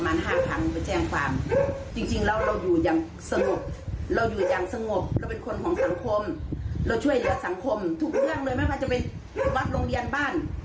ไม่ว่าจะไปวัดโรงเบียนบ้าน